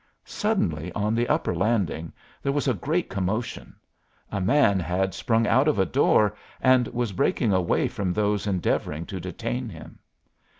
Suddenly, on the upper landing there was a great commotion; a man had sprung out of a door and was breaking away from those endeavoring to detain him.